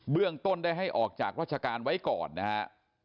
เรื่องต้นได้ให้ออกจากราชการไว้ก่อนนะฮะ